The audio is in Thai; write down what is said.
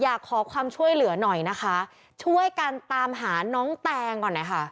อยากขอความช่วยเหลือหน่อยนะคะช่วยกันตามหาน้องแตงก่อนหน่อยค่ะ